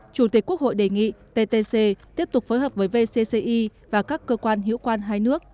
chủ tịch quốc hội đề nghị ttc tiếp tục phối hợp với vcci và các cơ quan hữu quan hai nước